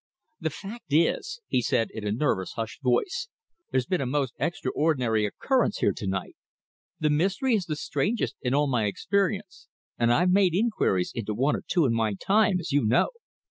"The fact is," he said in a nervous, hushed voice, "there's been a most extraordinary occurrence here to night. The mystery is the strangest in all my experience, and I've made inquiries into one or two in my time, as you know."